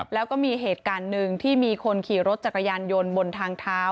แล้วก็มีเหตุการณ์หนึ่งที่มีคนขี่รถจักรยานยนต์บนทางเท้า